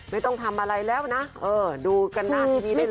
ไม่ต้องทำอะไรแล้วนะเออดูกันหน้าทีวีได้เลย